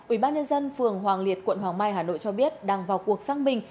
ủy ban nhân dân phường hoàng liệt quận hoàng mai hà nội cho biết đang vào cuộc xác minh